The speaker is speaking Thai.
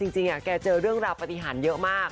จริงแกเจอเรื่องราวปฏิหารเยอะมาก